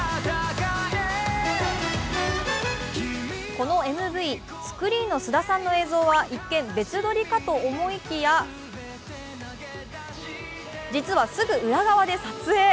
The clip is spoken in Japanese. このＭＶ、スクリーンの菅田さんの映像は一見、別撮りかと思いきや、実はすぐ裏側で撮影。